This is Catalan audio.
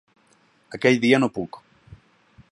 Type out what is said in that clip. Aquell dia no puc!